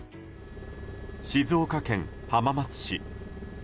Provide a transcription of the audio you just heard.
静岡県浜松市。